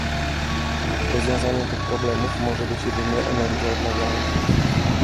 Rozwiązaniem tych problemów może być jedynie energia odnawialna